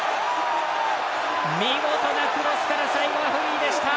見事なクロスから最後はフリーでした。